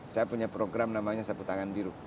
saya punya program namanya sapu tangan biru